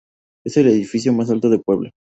Es el edificio más alto de Puebla.